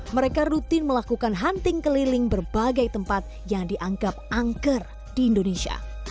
mereka rutin melakukan hunting keliling berbagai tempat yang dianggap angker di indonesia